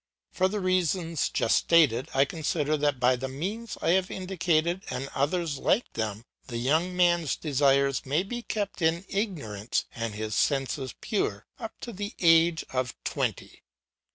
For the reasons just stated, I consider that by the means I have indicated and others like them the young man's desires may be kept in ignorance and his senses pure up to the age of twenty.